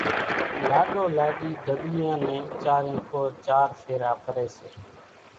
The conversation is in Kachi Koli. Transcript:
لاڏو لاڏِي ڍڳليان نين چارين ڪور چار ڦيرا ڦري سي۔